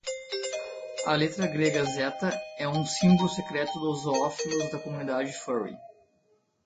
A letra grega zeta é um símbolo secreto dos zoófilos da comunidade furry